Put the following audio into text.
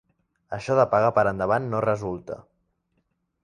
Això de pagar per endavant no resulta.